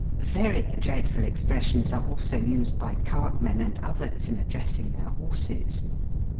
Very dreadful expressions are also used by cartmen and others in addressing their horses.